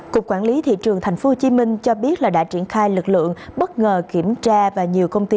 cục quản lý thị trường tp hcm cho biết là đã triển khai lực lượng bất ngờ kiểm tra và nhiều công ty